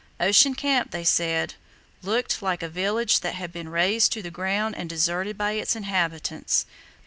Ocean Camp, they said, "looked like a village that had been razed to the ground and deserted by its inhabitants."